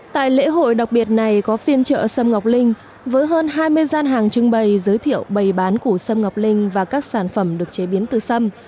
tại lễ hội đặc biệt này có phiên chợ sâm ngọc linh với hơn hai mươi gian hàng trưng bày giới thiệu bày bán củ xâm ngọc linh và các sản phẩm được chế biến từ sâm